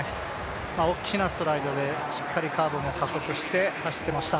大きなストライドでしっかりカーブも加速して走っていました。